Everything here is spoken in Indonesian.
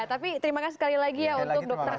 tapi terima kasih sekali lagi ya untuk dokter